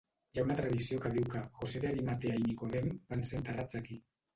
Hi ha una tradició que diu que José de Arimatea i Nicodem van ser enterrats aquí.